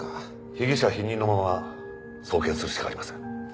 被疑者否認のまま送検するしかありません。